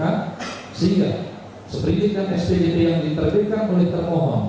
sehingga seperti ini kan spjp yang diterbitkan oleh pak mohon